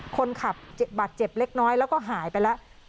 คนขับบาดเจ็บเล็กน้อยแล้วก็หายไปแล้ว